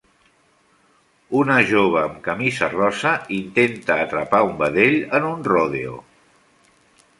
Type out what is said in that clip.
Una jove amb camisa rosa intenta atrapar un vedell en un rodeo.